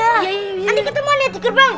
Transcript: nanti ketemu lihat di gerbang